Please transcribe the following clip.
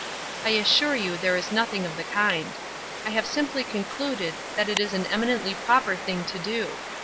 I assure you there is nothing of the kind. I have simply concluded that it is an eminently proper thing to do.